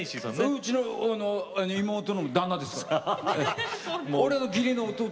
うちの妹の旦那です。